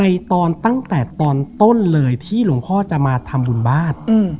ตอนตั้งแต่ตอนต้นเลยที่หลวงพ่อจะมาทำบุญบ้าน